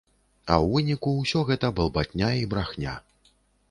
А ў выніку ўсё гэта балбатня і брахня.